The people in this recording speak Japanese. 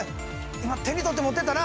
今手に取って持ってったな？